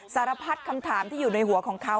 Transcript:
สารพัดคำถามที่อยู่ในหัวของเขา